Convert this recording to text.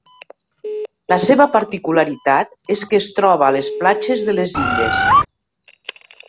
La seva particularitat és que es troba a les platges de les illes.